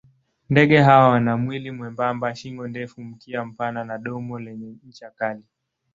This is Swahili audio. Ndege hawa wana mwili mwembamba, shingo ndefu, mkia mpana na domo lenye ncha kali.